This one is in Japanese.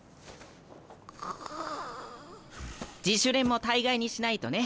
自主練も大概にしないとね。